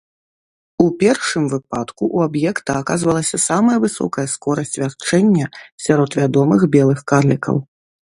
У першым выпадку у аб'екта аказвалася самая высокая скорасць вярчэння сярод вядомых белых карлікаў.